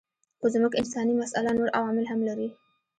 خو زموږ انساني مساله نور عوامل هم لري.